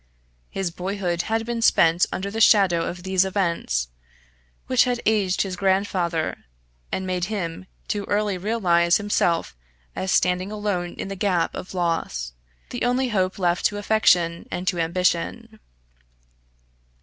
His boyhood had been spent under the shadow of these events, which had aged his grandfather, and made him too early realise himself as standing alone in the gap of loss, the only hope left to affection and to ambition.